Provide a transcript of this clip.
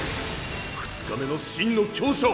２日目の真の強者を！